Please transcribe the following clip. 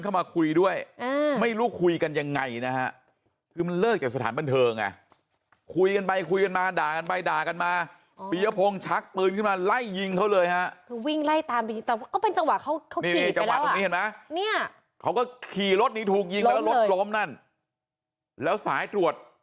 อ้าววิ่งหนีไปแล้ว